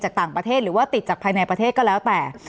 จากต่างประเทศหรือว่าติดจากภายในประเทศก็แล้วแต่